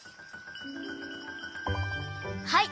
はい。